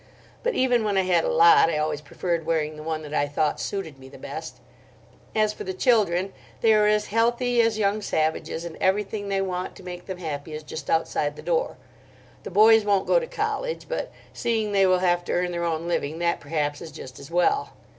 But even when I had a lot I always preferred wearing the one that I thought suited me the best. As for the children, they are as healthy as young savages, and everything they want to make them happy is just outside the door. The boys won't go to college; but seeing they will have to earn their own living, that, perhaps, is just as well.